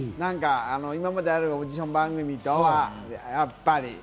今まであるオーディション番組とはやっぱり。